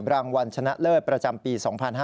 รางวัลชนะเลิศประจำปี๒๕๕๙